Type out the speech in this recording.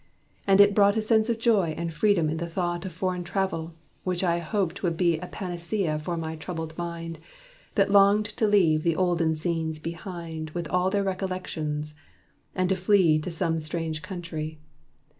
And it brought A sense of joy and freedom in the thought Of foreign travel, which I hoped would be A panacea for my troubled mind, That longed to leave the olden scenes behind With all their recollections, and to flee To some strange country.